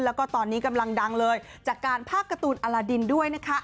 แล้วก็ตอนนี้กำลังดังเลยจากการภาคการ์ตูนอลาดินด้วยนะคะ